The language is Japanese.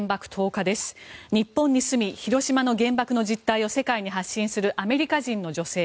日本に住み、広島の原爆の実態を世界に発信するアメリカ人の女性。